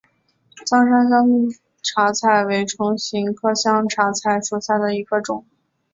苍山香茶菜为唇形科香茶菜属下的一个种。